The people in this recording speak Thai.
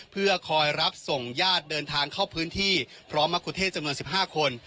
เพื่อคอยรับส่งญาติเดินทางเข้าพื้นที่พร้อมมะคุเทศจำนวน๑๕คน